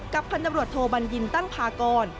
กับคันตำรวจโทบันยินตั้งพากร